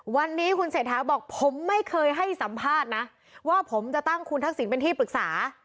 วันนี้คุณเศรษฐาบอกผมไม่เคยให้สัมภาษณ์นะว่าผมจะตั้งคุณทักษิณเป็นที่ปรึกษา